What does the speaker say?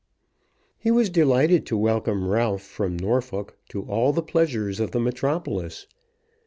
He was delighted to welcome Ralph from Norfolk to all the pleasures of the metropolis.